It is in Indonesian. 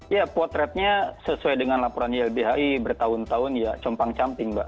ya potretnya sesuai dengan laporan ylbhi bertahun tahun ya compang camping mbak